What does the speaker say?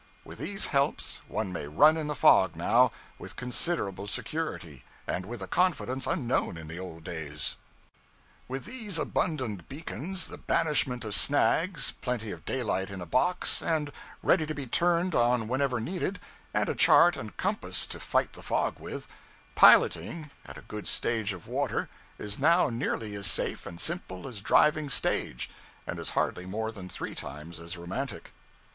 With these helps, one may run in the fog now, with considerable security, and with a confidence unknown in the old days. With these abundant beacons, the banishment of snags, plenty of daylight in a box and ready to be turned on whenever needed, and a chart and compass to fight the fog with, piloting, at a good stage of water, is now nearly as safe and simple as driving stage, and is hardly more than three times as romantic.